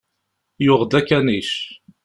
Yuɣ-d akanic.